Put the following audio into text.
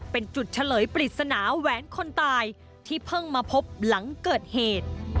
เป็นจุดเฉลยปริศนาแหวนคนตายที่เพิ่งมาพบหลังเกิดเหตุ